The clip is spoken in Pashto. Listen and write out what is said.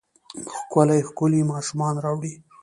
ښکلې ، ښکلې ماشومانې راوړي